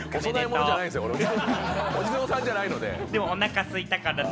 俺、お地蔵さんじゃないので。